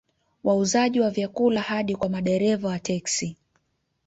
Wauzaji wa vyakula hadi kwa madereva wa teksi